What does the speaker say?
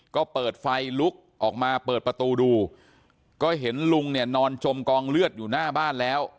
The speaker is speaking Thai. ก็เปิดไฟลุกออกมาเปิดประตูดูก็เห็นลุงเนี่ยนอนจมกองเลือดอยู่หน้าบ้านแล้ว